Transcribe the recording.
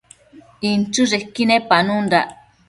inchËshequi nepanundac